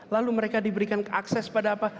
lalu mereka diberikan akses pada apa